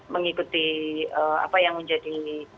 mengikuti apa yang menjadi